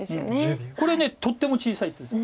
これとっても小さい手です。